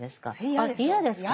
あっ嫌ですか？